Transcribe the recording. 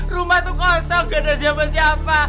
rumah tuh kosong gak ada siapa siapa